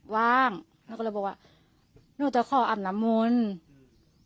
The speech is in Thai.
ว้างนุ๊กก็เลยบอกว่านุ๊กจะขออาบนำมุนอืม